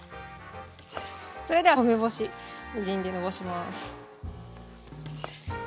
それでは梅干しみりんでのばします。